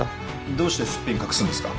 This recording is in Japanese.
どうしてすっぴん隠すんですか？